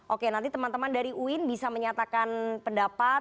oke nanti teman teman dari uin bisa menyatakan pendapat